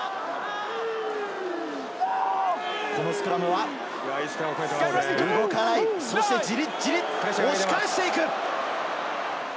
このスクラムは動かない、そしてじりじりと押し返していく。